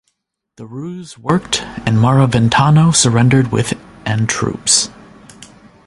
The ruse worked and Maraventano surrendered with and troops.